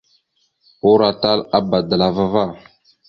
Uroatal a bbadalava va.